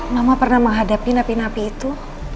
mama pernah menghadapi napi napi itu